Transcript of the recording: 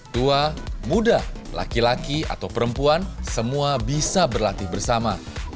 tua muda laki laki atau perempuan semua bisa berlatih bersama